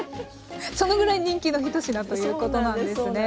そのぐらい人気の一品ということなんですね。